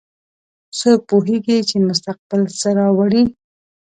څوک پوهیږي چې مستقبل څه راوړي